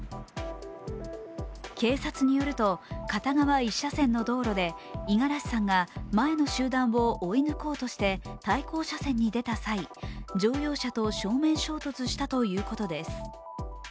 警察によると、片側１車線の道路で五十嵐さんが前の集団を追い抜こうとして対向車線に出た際乗用車と正面衝突したということです。